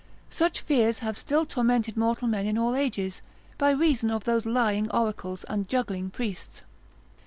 Such fears have still tormented mortal men in all ages, by reason of those lying oracles, and juggling priests.